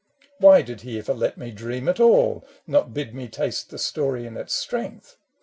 Why did he ever let me dream at all. Not bid me taste the story in its strength